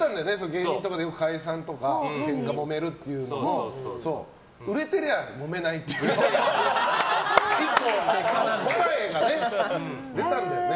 芸人とかでよく解散とかケンカ、もめるっていうのも売れてりゃ、もめないっていう答えが出たんだよね。